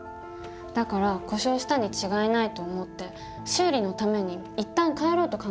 だから故障したに違いないと思って修理のために一旦帰ろうと考えたの。